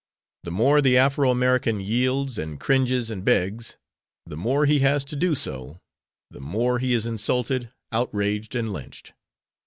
The more the Afro American yields and cringes and begs, the more he has to do so, the more he is insulted, outraged and lynched.